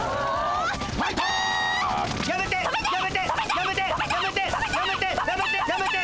やめて！